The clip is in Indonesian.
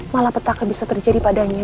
malah petaka bisa terjadi padanya